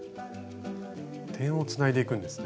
点をつないでいくんですね。